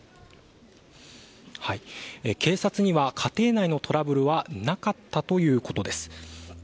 警察には、家庭内のトラブルはなかったということです。